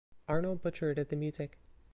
Arnold Butcher did the music.